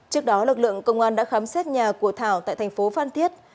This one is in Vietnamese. trước đó lực lượng công an đã khám xét nhà của thảo tại tp phan thiết